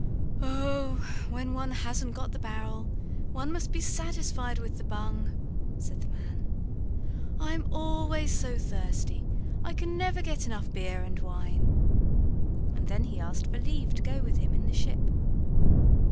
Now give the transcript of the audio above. "Oh, when one hasn't got the barrel, one must be satisfied with the bung," said the man. "I'm always so thirsty, I can never get enough beer and wine." And then he asked for leave to go with him in the ship.